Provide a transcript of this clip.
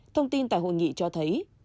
thông tin tại hội nghị cho thấy